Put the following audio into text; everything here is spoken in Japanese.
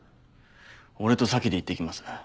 俺と咲で行ってきます。